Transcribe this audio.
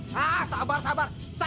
nah sabar sabar saya sudah yang mencari